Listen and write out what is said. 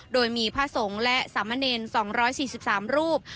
โดยมีพระสงฆ์และสามเณร๒๔๓รูป